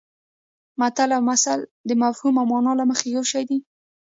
متل او مثل د مفهوم او مانا له مخې یو شی دي